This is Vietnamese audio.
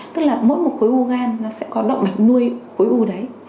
tức là mỗi một khối u gan nó sẽ có động mạch nuôi khối u đấy